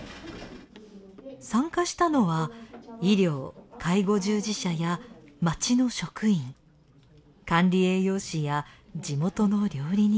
参加したのは医療・介護従事者や町の職員管理栄養士や地元の料理人たち。